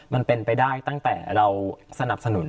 มันเป็นไปได้ตั้งแต่เราสนับสนุน